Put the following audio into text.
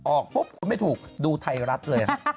ออกปุ๊บคุณไม่ถูกดูไทยรัฐเลย